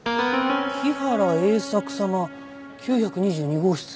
日原英策様９２２号室。